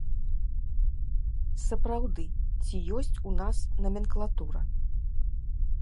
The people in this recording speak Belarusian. Сапраўды, ці ёсць у нас наменклатура?